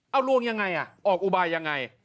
เอาลวงอย่างไรออกอุบายอย่างไร